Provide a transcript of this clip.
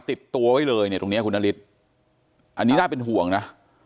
ติดตัวไว้เลยเนี่ยตรงนี้คุณนฤทธิ์อันนี้น่าเป็นห่วงนะ